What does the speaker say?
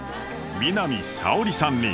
南沙織さんに。